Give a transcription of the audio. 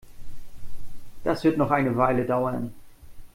Das wird noch eine Weile dauern.